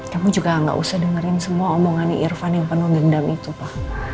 kamu juga gak usah dengerin semua omongannya irfan yang penuh dendam itu pak